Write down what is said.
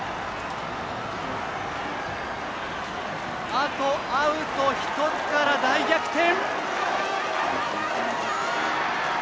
あとアウト１つから大逆転。